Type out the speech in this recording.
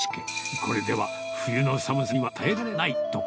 これでは冬の寒さには耐えられないとか。